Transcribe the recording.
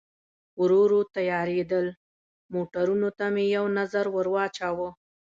ورو ورو تیارېدل، موټرونو ته مې یو نظر ور واچاوه.